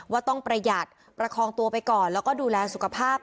ว่าต้องประหยัดประคองตัวไปก่อนแล้วก็ดูแลสุขภาพ